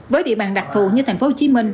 với địa bàn đặc thù như tp hcm